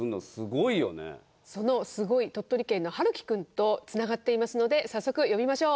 そのすごい鳥取県のはるきくんとつながっていますので早速呼びましょう。